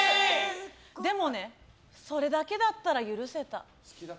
でもね、それだけだったら許せた。